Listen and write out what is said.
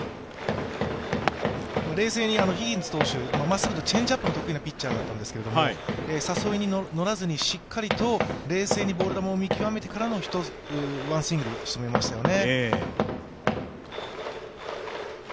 冷静にヒギンス投手、チェンジアップが得意な投手なんですけど、誘いに乗らずにしっかりと冷静にボール球を見極めてからのワンスイングで仕留めましたよね。